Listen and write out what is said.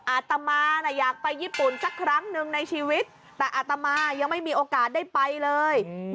อาตมาอยากไปญี่ปุ่นสักครั้งหนึ่งในชีวิตแต่อาตมายังไม่มีโอกาสได้ไปเลย